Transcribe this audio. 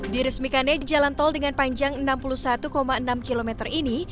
di resmikan ini jalan tol dengan panjang enam puluh satu enam km ini